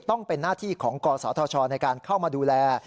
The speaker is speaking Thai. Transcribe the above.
ต้องเป็นหน้าที่ของกศธชในการเข้ามาดูแล